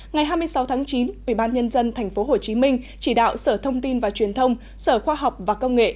ngày hai mươi sáu tháng chín ubnd tp hcm chỉ đạo sở thông tin và truyền thông sở khoa học và công nghệ